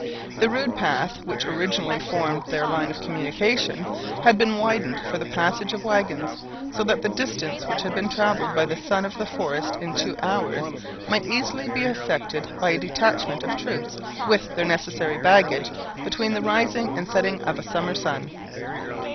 The rude path, which originally formed their line of communication, had been widened for the passage of wagons; so that the distance which had been traveled by the son of the forest in two hours, might easily be effected by a detachment of troops, with their necessary baggage, between the rising and setting of a summer sun.